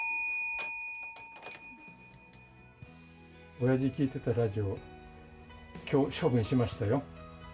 おやじ聴いてたラジオ、きょう処分しましたよ。